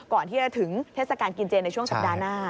ก่อนที่จะถึงเทศกาลกินเจนในช่วงสัปดาห์หน้า